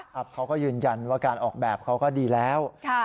เขาก็ยืนยันว่าการออกแบบเขาก็ดีแล้ว